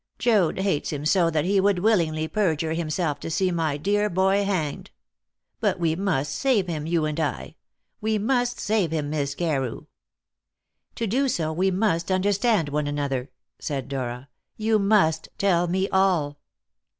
Joad hates him so that he would willingly perjure himself to see my dear boy hanged. But we must save him, you and I; we must save him, Miss Carew." "To do so, we must understand one another," said Dora; "you must tell me all."